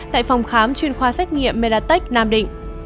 tại phòng khám chuyên khoa xét nghiệm meratech nam định